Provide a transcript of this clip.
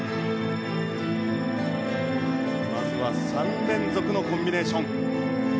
まずは３連続のコンビネーション。